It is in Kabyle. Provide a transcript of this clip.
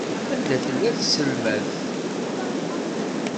Anda tella tselmadt?